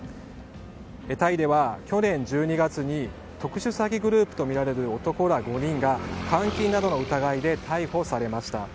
タイでは去年１２月に特殊詐欺グループとみられる男ら５人が監禁などの疑いで逮捕されました。